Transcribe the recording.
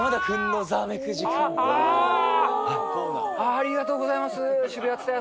ありがとうございます。